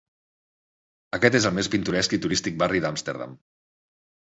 Aquest és el més pintoresc i turístic barri d'Amsterdam.